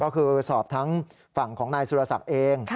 ก็คือสอบทั้งฝั่งของนายสุรศักดิ์เอง